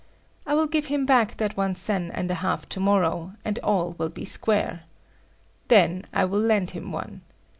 I will give him back that one sen and a half tomorrow, and all will be square. Then I will land him one.